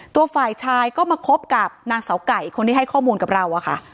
ตัวฝ่ายชายก็มาคบกับนางเสาไก่คนที่ให้ข้อมูลกับเราอะค่ะ